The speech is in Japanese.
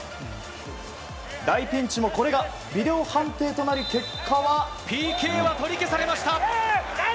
大ピンチもこれがビデオ判定となりＰＫは取り消されました！